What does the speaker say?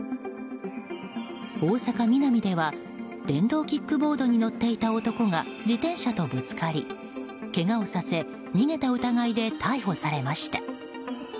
大阪ミナミでは電動キックボードに乗っていた男が自転車とぶつかりけがをさせ、逃げた疑いで逮捕されました。